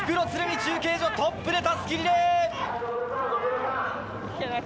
中継所、トップで襷リレー。